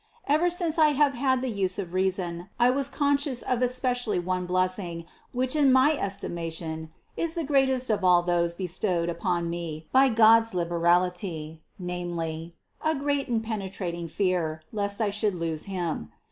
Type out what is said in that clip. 13. Ever since I have had the use of reason, I was con scious of especially one blessing, which in my estimation is the greatest of all those bestowed upon me by God's liberality ; namely, a great and penetrating fear, lest I should lose Him.